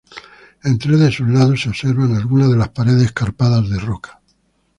En tres de sus lados se observan algunas de las paredes escarpadas de roca.